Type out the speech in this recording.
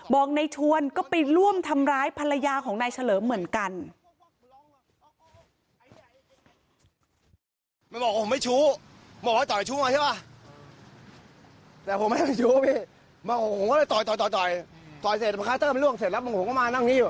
ในชวนก็ไปร่วมทำร้ายภรรยาของนายเฉลิมเหมือนกัน